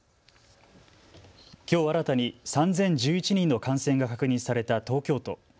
きょう新たに３０１１人の感染が確認された東京都。